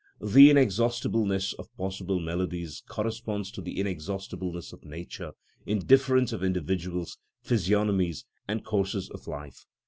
The inexhaustibleness of possible melodies corresponds to the inexhaustibleness of Nature in difference of individuals, physiognomies, and courses of life.